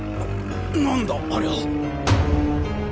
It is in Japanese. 何だありゃ。